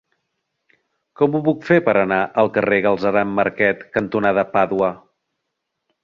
Com ho puc fer per anar al carrer Galceran Marquet cantonada Pàdua?